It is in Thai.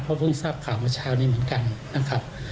เพราะเพิ่งทราบข่าวเมื่อเช้านี้เหมือนกันนะครับ